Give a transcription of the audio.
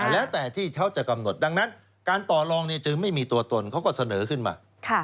แล้วแต่ที่เขาจะกำหนดดังนั้นการต่อลองจึงไม่มีตัวตนเขาก็เสนอขึ้นมา